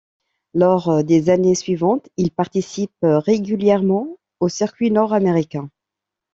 Lors des années suivantes, il participe régulièrement au circuit nord-américain.